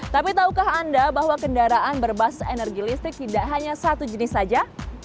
tapi tahukah anda bahwa kendaraan berbasis energi listrik tidak hanya satu jenis saja